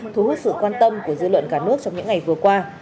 thu hút sự quan tâm của dư luận cả nước trong những ngày vừa qua